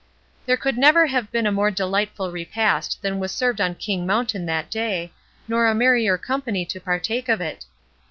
There could never have been a more delightful repast than was served on King Mountain that day, nor a merrier company to partake of it.